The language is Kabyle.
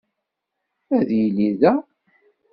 Ad yili da.